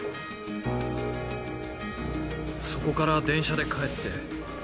そこから電車で帰って。